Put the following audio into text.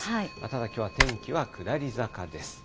ただきょうは天気は下り坂です。